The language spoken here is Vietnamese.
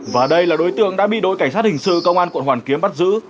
và đây là đối tượng đã bị đội cảnh sát hình sự công an quận hoàn kiếm bắt giữ